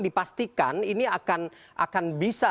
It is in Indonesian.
dipastikan ini akan